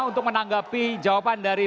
untuk menanggapi jawaban dari